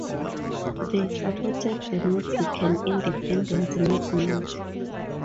They supported the Mexican independence movement.